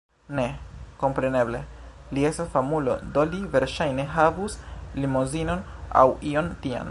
Ne... kompreneble, li estas famulo do li verŝajne havus limozinon aŭ ion tian